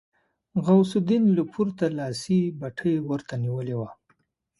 غوث الدين له پورته لاسي بتۍ ورته نيولې وه.